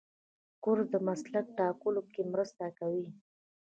کورس د مسلک ټاکلو کې مرسته کوي.